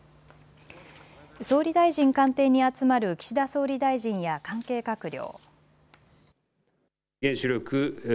総理大臣官邸に集まる岸田総理大臣や関係閣僚。